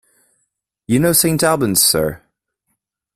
You know St Albans, sir?